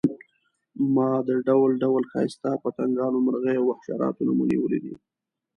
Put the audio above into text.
ما د ډول ډول ښایسته پتنګانو، مرغیو او حشراتو نمونې ولیدې.